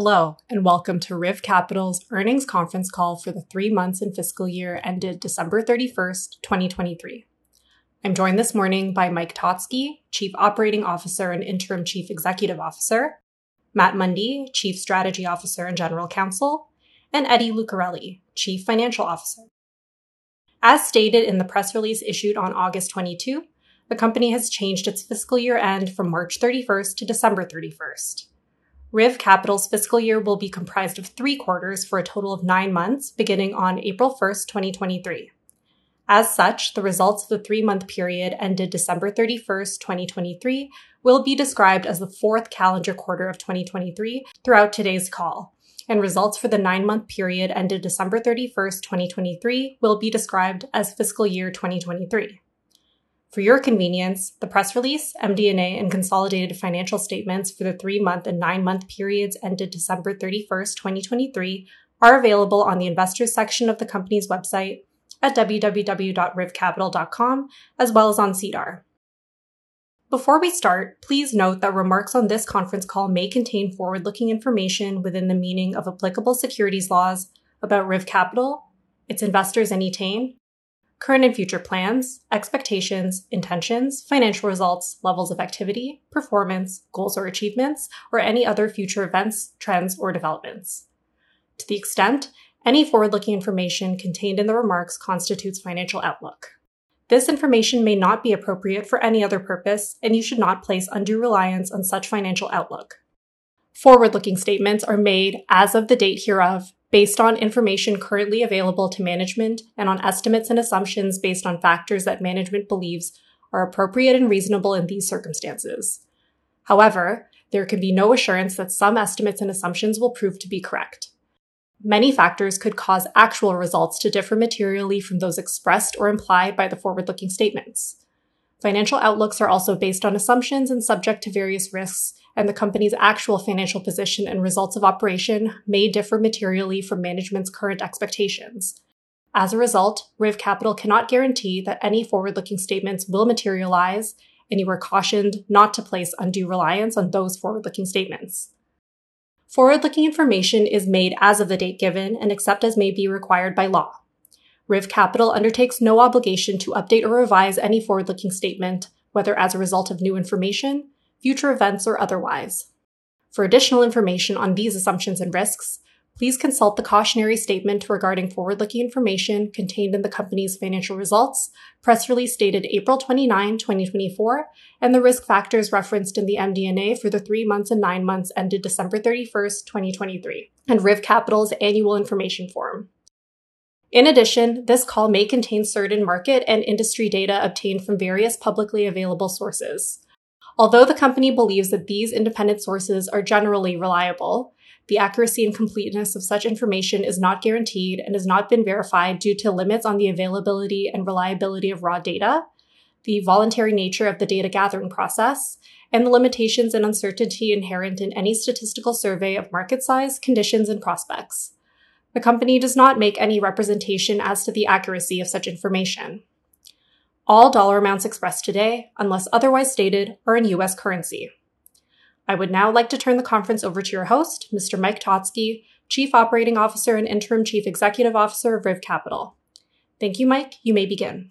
Hello and welcome to RIV Capital's Earnings Conference Call for the Three Months in Fiscal Year Ended December 31st, 2023. I'm joined this morning by Mike Totzke, Chief Operating Officer and Interim Chief Executive Officer; Matt Mundy, Chief Strategy Officer and General Counsel; and Eddie Lucarelli, Chief Financial Officer. As stated in the press release issued on August 22, the company has changed its fiscal year end from March 31st to December 31st. RIV Capital's fiscal year will be comprised of three quarters for a total of nine months beginning on April 1st, 2023. As such, the results of the three-month period ended December 31st, 2023 will be described as the fourth calendar quarter of 2023 throughout today's call, and results for the nine-month period ended December 31st, 2023 will be described as fiscal year 2023. For your convenience, the press release, MD&A, and Consolidated Financial Statements for the 3-month and 9-month periods ended December 31st, 2023 are available on the Investors section of the company's website at www.rivcapital.com as well as on SEDAR. Before we start, please note that remarks on this conference call may contain forward-looking information within the meaning of applicable securities laws about RIV Capital, its investments and any, current and future plans, expectations, intentions, financial results, levels of activity, performance, goals or achievements, or any other future events, trends, or developments. To the extent any forward-looking information contained in the remarks constitutes financial outlook. This information may not be appropriate for any other purpose, and you should not place undue reliance on such financial outlook. Forward-looking statements are made as of the date hereof based on information currently available to management and on estimates and assumptions based on factors that management believes are appropriate and reasonable in these circumstances. However, there can be no assurance that some estimates and assumptions will prove to be correct. Many factors could cause actual results to differ materially from those expressed or implied by the forward-looking statements. Financial outlooks are also based on assumptions and subject to various risks, and the company's actual financial position and results of operations may differ materially from management's current expectations. As a result, RIV Capital cannot guarantee that any forward-looking statements will materialize, and you are cautioned not to place undue reliance on those forward-looking statements. Forward-looking information is made as of the date given and except as may be required by law. RIV Capital undertakes no obligation to update or revise any forward-looking statement, whether as a result of new information, future events, or otherwise. For additional information on these assumptions and risks, please consult the cautionary statement regarding forward-looking information contained in the company's financial results, press release dated April 29, 2024, and the Risk Factors referenced in the MD&A for the three months and nine months ended December 31st, 2023, and RIV Capital's Annual Information Form. In addition, this call may contain certain market and industry data obtained from various publicly available sources. Although the company believes that these independent sources are generally reliable, the accuracy and completeness of such information is not guaranteed and has not been verified due to limits on the availability and reliability of raw data, the voluntary nature of the data gathering process, and the limitations and uncertainty inherent in any statistical survey of market size, conditions, and prospects. The company does not make any representation as to the accuracy of such information. All dollar amounts expressed today, unless otherwise stated, are in U.S. currency. I would now like to turn the conference over to your host, Mr. Mike Totzke, Chief Operating Officer and Interim Chief Executive Officer of RIV Capital. Thank you, Mike. You may begin.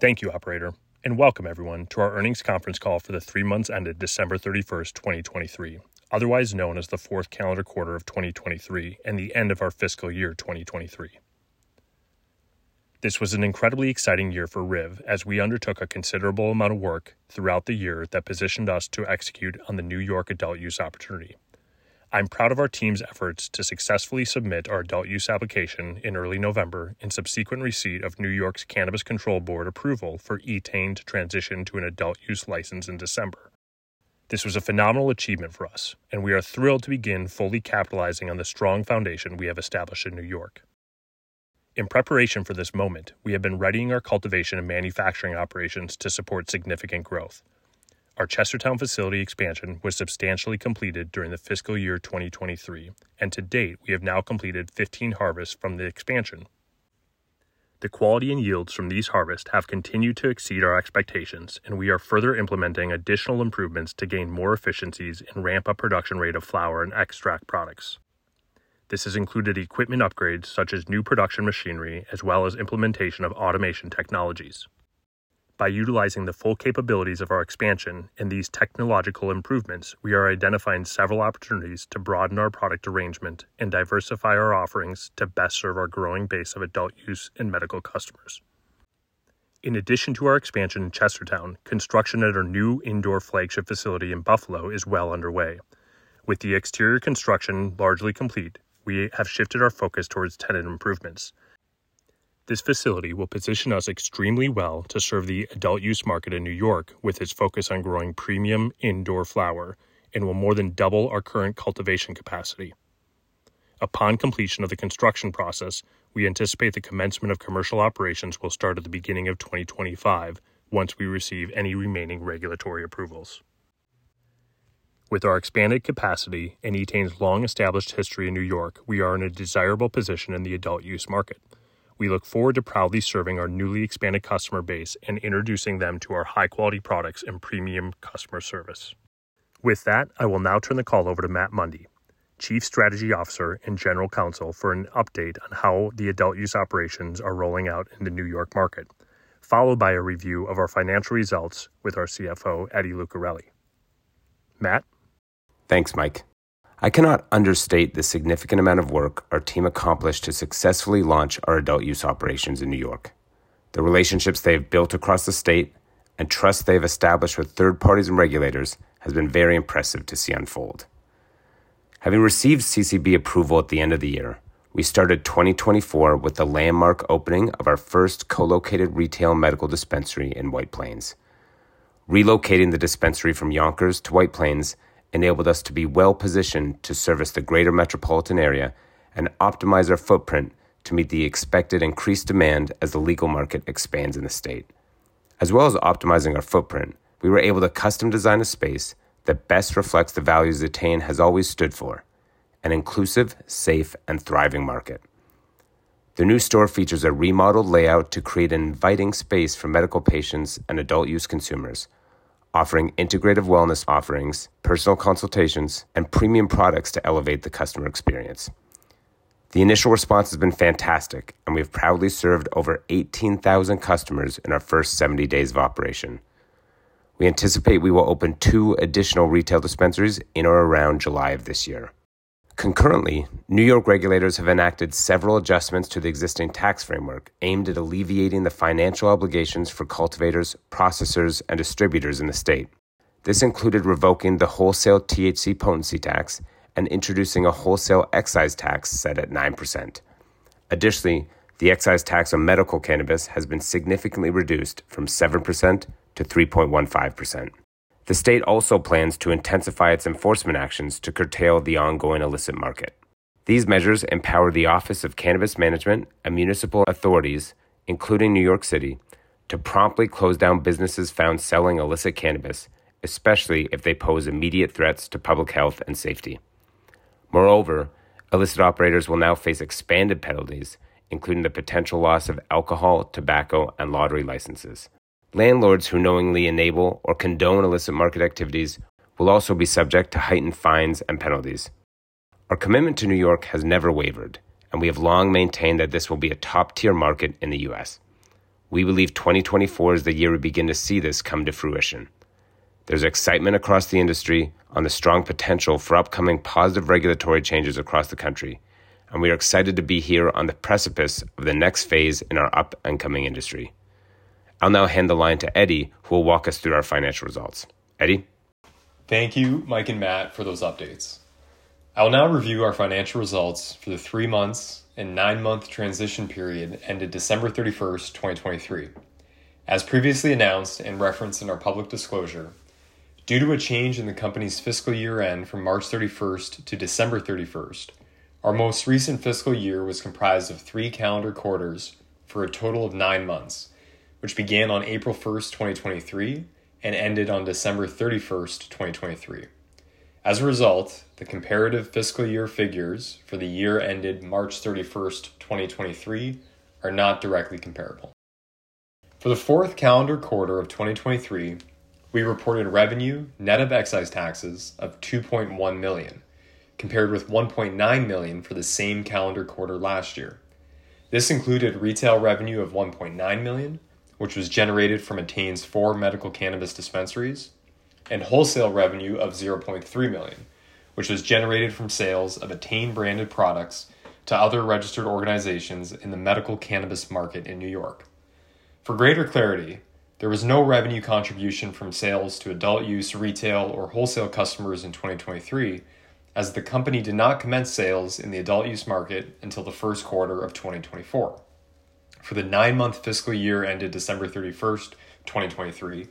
Thank you, Operator, and welcome everyone to our earnings conference call for the three months ended December 31st, 2023, otherwise known as the fourth calendar quarter of 2023 and the end of our fiscal year 2023. This was an incredibly exciting year for RIV as we undertook a considerable amount of work throughout the year that positioned us to execute on the New York adult use opportunity. I'm proud of our team's efforts to successfully submit our adult-use application in early November and subsequent receipt of New York's Cannabis Control Board approval for Etain transition to an adult-use license in December. This was a phenomenal achievement for us, and we are thrilled to begin fully capitalizing on the strong foundation we have established in New York. In preparation for this moment, we have been readying our cultivation and manufacturing operations to support significant growth. Our Chestertown facility expansion was substantially completed during the fiscal year 2023, and to date we have now completed 15 harvests from the expansion. The quality and yields from these harvests have continued to exceed our expectations, and we are further implementing additional improvements to gain more efficiencies and ramp up production rate of flower and extract products. This has included equipment upgrades such as new production machinery as well as implementation of automation technologies. By utilizing the full capabilities of our expansion and these technological improvements, we are identifying several opportunities to broaden our product arrangement and diversify our offerings to best serve our growing base of adult use and medical customers. In addition to our expansion in Chestertown, construction at our new indoor flagship facility in Buffalo is well underway. With the exterior construction largely complete, we have shifted our focus towards tenant improvements. This facility will position us extremely well to serve the adult-use market in New York with its focus on growing premium indoor flower and will more than double our current cultivation capacity. Upon completion of the construction process, we anticipate the commencement of commercial operations will start at the beginning of 2025 once we receive any remaining regulatory approvals. With our expanded capacity and Etain long-established history in New York, we are in a desirable position in the adult-use market. We look forward to proudly serving our newly expanded customer base and introducing them to our high-quality products and premium customer service. With that, I will now turn the call over to Matt Mundy, Chief Strategy Officer and General Counsel for an update on how the adult-use operations are rolling out in the New York market, followed by a review of our financial results with our CFO, Eddie Lucarelli. Matt? Thanks, Mike. I cannot understate the significant amount of work our team accomplished to successfully launch our adult-use operations in New York. The relationships they have built across the state and trust they have established with third parties and regulators has been very impressive to see unfold. Having received CCB approval at the end of the year, we started 2024 with the landmark opening of our first co-located retail medical dispensary in White Plains. Relocating the dispensary from Yonkers to White Plains enabled us to be well-positioned to service the greater metropolitan area and optimize our footprint to meet the expected increased demand as the legal market expands in the state. As well as optimizing our footprint, we were able to custom design a space that best reflects the values that Etain has always stood for: an inclusive, safe, and thriving market. The new store features a remodeled layout to create an inviting space for medical patients and adult-use consumers, offering integrative wellness offerings, personal consultations, and premium products to elevate the customer experience. The initial response has been fantastic, and we have proudly served over 18,000 customers in our first 70 days of operation. We anticipate we will open two additional retail dispensaries in or around July of this year. Concurrently, New York regulators have enacted several adjustments to the existing tax framework aimed at alleviating the financial obligations for cultivators, processors, and distributors in the state. This included revoking the wholesale THC potency tax and introducing a wholesale excise tax set at 9%. Additionally, the excise tax on medical cannabis has been significantly reduced from 7% to 3.15%. The state also plans to intensify its enforcement actions to curtail the ongoing illicit market. These measures empower the Office of Cannabis Management and municipal authorities, including New York City, to promptly close down businesses found selling illicit cannabis, especially if they pose immediate threats to public health and safety. Moreover, illicit operators will now face expanded penalties, including the potential loss of alcohol, tobacco, and lottery licenses. Landlords who knowingly enable or condone illicit market activities will also be subject to heightened fines and penalties. Our commitment to New York has never wavered, and we have long maintained that this will be a top-tier market in the U.S. We believe 2024 is the year we begin to see this come to fruition. There's excitement across the industry on the strong potential for upcoming positive regulatory changes across the country, and we are excited to be here on the precipice of the next phase in our up-and-coming industry. I'll now hand the line to Eddie, who will walk us through our financial results. Eddie? Thank you, Mike and Matt, for those updates. I'll now review our financial results for the three-month and nine-month transition period ended December 31st, 2023. As previously announced and referenced in our public disclosure, due to a change in the company's fiscal year end from March 31st to December 31st, our most recent fiscal year was comprised of three calendar quarters for a total of nine months, which began on April 1st, 2023 and ended on December 31st, 2023. As a result, the comparative fiscal year figures for the year ended March 31, 2023 are not directly comparable. For the fourth calendar quarter of 2023, we reported revenue net of excise taxes of $2.1 million, compared with $1.9 million for the same calendar quarter last year. This included retail revenue of $1.9 million, which was generated from Etain's four medical cannabis dispensaries, and wholesale revenue of $0.3 million, which was generated from sales of Etain-branded products to other registered organizations in the medical cannabis market in New York. For greater clarity, there was no revenue contribution from sales to adult-use retail or wholesale customers in 2023, as the company did not commence sales in the adult-use market until the first quarter of 2024. For the nine-month fiscal year ended December 31st, 2023,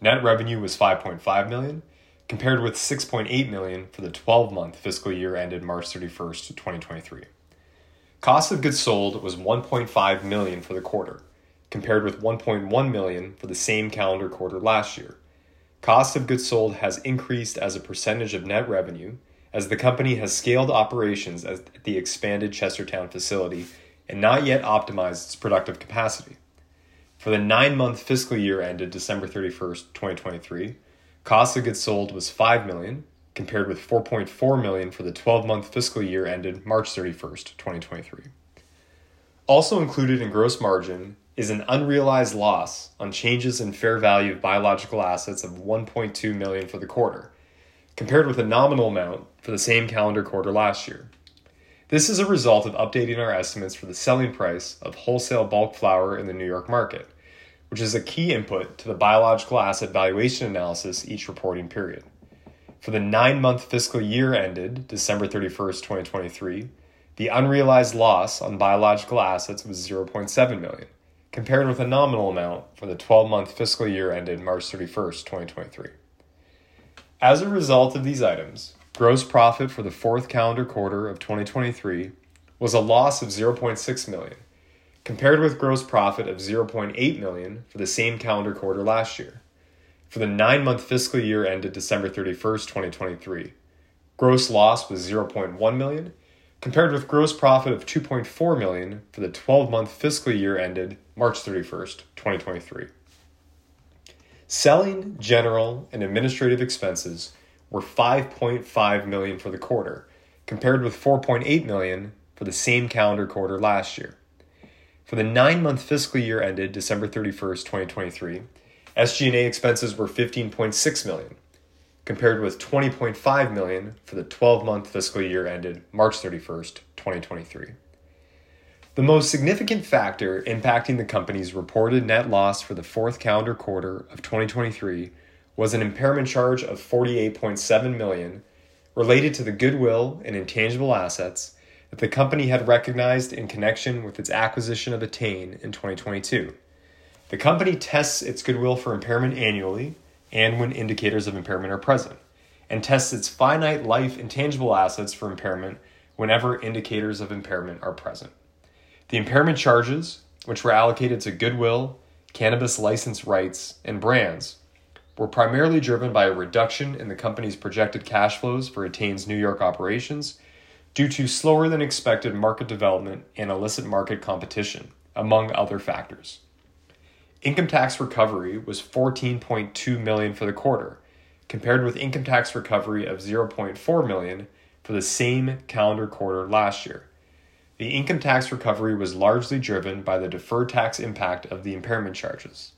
net revenue was $5.5 million, compared with $6.8 million for the 12-month fiscal year ended March 31st, 2023. Cost of goods sold was $1.5 million for the quarter, compared with $1.1 million for the same calendar quarter last year. Cost of goods sold has increased as a percentage of net revenue as the company has scaled operations at the expanded Chestertown facility and not yet optimized its productive capacity. For the nine-month fiscal year ended December 31st, 2023, cost of goods sold was $5 million, compared with $4.4 million for the 12-month fiscal year ended March 31st, 2023. Also included in gross margin is an unrealized loss on changes in fair value of biological assets of $1.2 million for the quarter, compared with a nominal amount for the same calendar quarter last year. This is a result of updating our estimates for the selling price of wholesale bulk flower in the New York market, which is a key input to the biological asset valuation analysis each reporting period. For the nine-month fiscal year ended December 31st, 2023, the unrealized loss on biological assets was $0.7 million, compared with a nominal amount for the 12-month fiscal year ended March 31st, 2023. As a result of these items, gross profit for the fourth calendar quarter of 2023 was a loss of $0.6 million, compared with gross profit of $0.8 million for the same calendar quarter last year. For the nine-month fiscal year ended December 31st, 2023, gross loss was $0.1 million, compared with gross profit of $2.4 million for the 12-month fiscal year ended March 31st, 2023. Selling, general, and administrative expenses were $5.5 million for the quarter, compared with $4.8 million for the same calendar quarter last year. For the nine-month fiscal year ended December 31st, 2023, SG&A expenses were $15.6 million, compared with $20.5 million for the 12-month fiscal year ended March 31st, 2023. The most significant factor impacting the company's reported net loss for the fourth calendar quarter of 2023 was an impairment charge of $48.7 million related to the goodwill and intangible assets that the company had recognized in connection with its acquisition of Etain in 2022. The company tests its goodwill for impairment annually and when indicators of impairment are present, and tests its finite life intangible assets for impairment whenever indicators of impairment are present. The impairment charges, which were allocated to goodwill, cannabis license rights, and brands, were primarily driven by a reduction in the company's projected cash flows for Etain New York operations due to slower-than-expected market development and illicit market competition, among other factors. Income tax recovery was $14.2 million for the quarter, compared with income tax recovery of $0.4 million for the same calendar quarter last year. The income tax recovery was largely driven by the deferred tax impact of the impairment charges.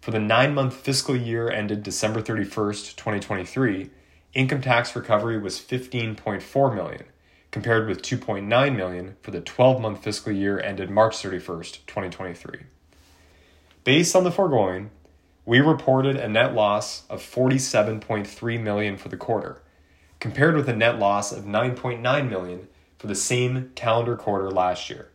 For the nine-month fiscal year ended December 31st, 2023, income tax recovery was $15.4 million, compared with $2.9 million for the 12-month fiscal year ended March 31st, 2023. Based on the foregoing, we reported a net loss of $47.3 million for the quarter, compared with a net loss of $9.9 million for the same calendar quarter last year.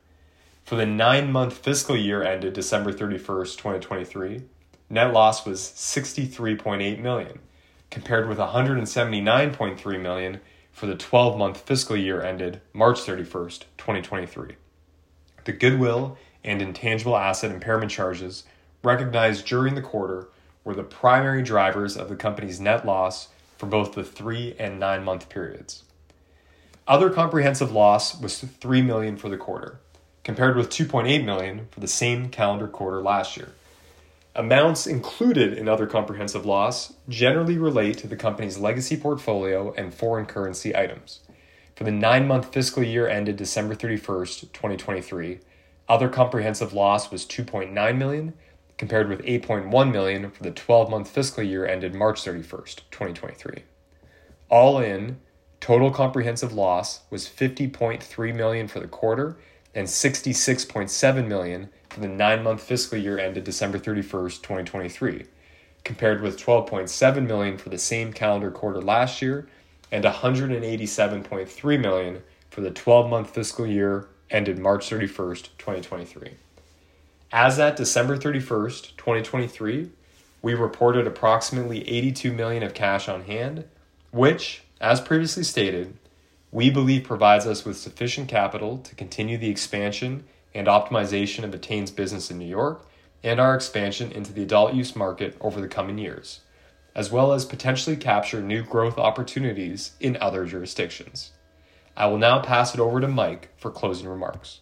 For the nine-month fiscal year ended December 31st, 2023, net loss was $63.8 million, compared with $179.3 million for the 12-month fiscal year ended March 31st, 2023. The goodwill and intangible asset impairment charges recognized during the quarter were the primary drivers of the company's net loss for both the three and nine-month periods. Other comprehensive loss was $3 million for the quarter, compared with $2.8 million for the same calendar quarter last year. Amounts included in other comprehensive loss generally relate to the company's legacy portfolio and foreign currency items. For the nine-month fiscal year ended December 31st, 2023, other comprehensive loss was $2.9 million, compared with $8.1 million for the 12-month fiscal year ended March 31st, 2023. All in, total comprehensive loss was $50.3 million for the quarter and $66.7 million for the nine-month fiscal year ended December 31st, 2023, compared with $12.7 million for the same calendar quarter last year and $187.3 million for the 12-month fiscal year ended March 31st, 2023. As at December 31st, 2023, we reported approximately $82 million of cash on hand, which, as previously stated, we believe provides us with sufficient capital to continue the expansion and optimization of Etain business in New York and our expansion into the adult-use market over the coming years, as well as potentially capture new growth opportunities in other jurisdictions. I will now pass it over to Mike for closing remarks.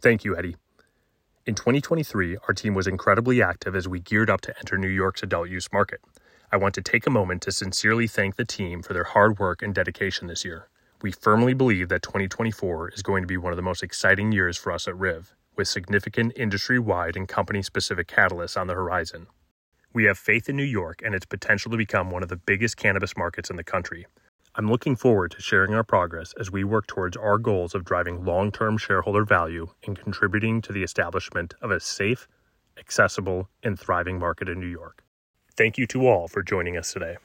Thank you, Eddie. In 2023, our team was incredibly active as we geared up to enter New York's adult-use market. I want to take a moment to sincerely thank the team for their hard work and dedication this year. We firmly believe that 2024 is going to be one of the most exciting years for us at RIV, with significant industry-wide and company-specific catalysts on the horizon. We have faith in New York and its potential to become one of the biggest cannabis markets in the country. I'm looking forward to sharing our progress as we work towards our goals of driving long-term shareholder value and contributing to the establishment of a safe, accessible, and thriving market in New York. Thank you to all for joining us today.